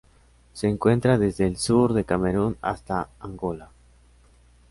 Se encuentra desde el sur de Camerún hasta Angola.